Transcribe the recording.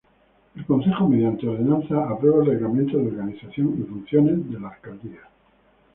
El concejo mediante ordenanza, aprueba el Reglamento de Organización y Funciones de la Alcaldía.